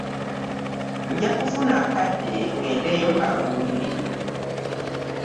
Nja kufuna akadde ŋŋendeyo mbabuulire.